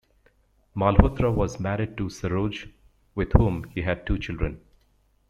Malhotra was married to Saroj, with whom he had two children.